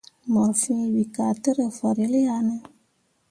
Mor fẽẽ we ka tǝ rǝ fahrel ya ne ?